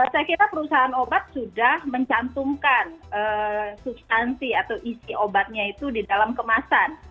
saya kira perusahaan obat sudah mencantumkan substansi atau isi obatnya itu di dalam kemasan